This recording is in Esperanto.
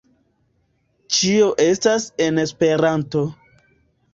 Ĉio estas en Esperanto